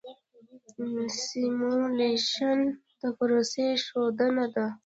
سیمولیشن د پروسې ښودنه ده.